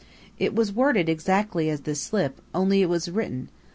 It was worded exactly as this slip, only it was written.